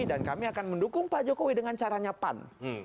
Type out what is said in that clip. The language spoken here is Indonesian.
dan kami akan mendukung pak jokowi dengan caranya pan